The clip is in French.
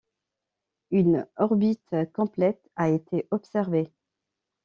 Une orbite complète a été observée.